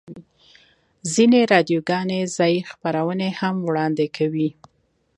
ځینې راډیوګانې ځایی خپرونې هم وړاندې کوي